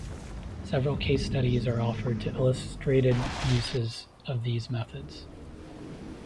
Several case studies are offered to illustrated uses of these methods.